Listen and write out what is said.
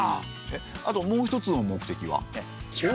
えっあともう一つの目的は？